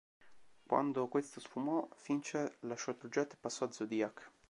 Quando questo sfumò, Fincher lasciò il progetto e passò a "Zodiac".